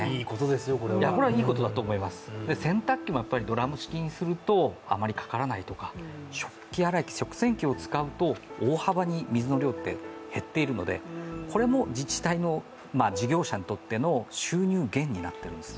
これはいいことだと思います、洗濯機もドラム式にすると、あまりかからないとか、食器洗い機、食洗機を使うと大幅に水の量って減っているのでこれも自治体の事業者にとっての収入減になっているんです。